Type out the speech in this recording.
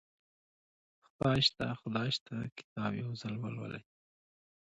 خدای شته خدای شته کتاب یو ځل ولولئ